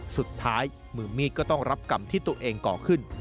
สุดท้ายมือมีดก็ต้องรับกรรมที่ตัวเองก่อขึ้น